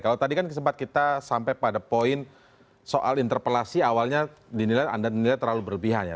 kalau tadi kan sempat kita sampai pada poin soal interpelasi awalnya anda dinilai terlalu berlebihannya